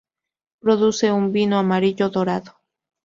Produce un vino amarillo dorado.